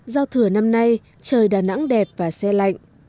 giao thừa năm nay trời đà nẵng đẹp và xe lạnh